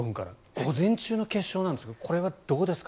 午前中の決勝ですがこれはどうですか？